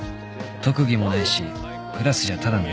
特技もないしクラスじゃただの陰キャ